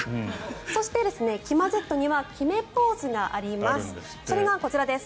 そして、きまＺには決めポーズがあります。